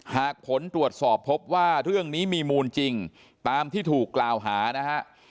หากผลตรวจสอบพบว่าเรื่องนี้มีมูลจริงตามที่ถูกกล่าวหานะฮะ